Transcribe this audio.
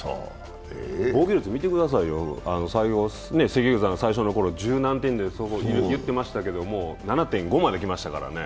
防御率見てくださいよ、関口さん最初のころ、１０何点ですごい言っていましたけど、７．５まで来ましたからね。